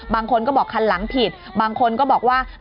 บางคนก็บอกคันหลังผิดบางคนก็บอกว่า